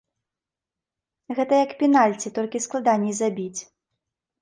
Гэта як пенальці, толькі складаней забіць.